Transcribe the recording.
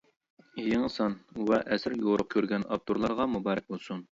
يېڭى سان ۋە ئەسىرى يورۇق كۆرگەن ئاپتورلارغا مۇبارەك بولسۇن!